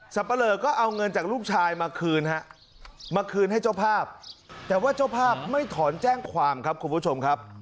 ปะเลอก็เอาเงินจากลูกชายมาคืนฮะมาคืนให้เจ้าภาพแต่ว่าเจ้าภาพไม่ถอนแจ้งความครับคุณผู้ชมครับ